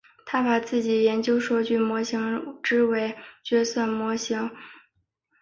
他把自己研究数据模型称之为角色数据模型。